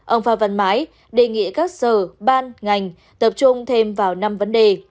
ông phan vận mái đề nghị các sở ban ngành tập trung thêm vào năm vấn đề